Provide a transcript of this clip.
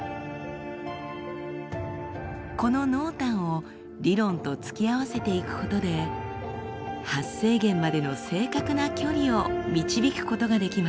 この濃淡を理論と突き合わせていくことで発生源までの正確な距離を導くことができます。